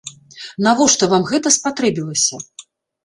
Навошта вам гэта спатрэбілася?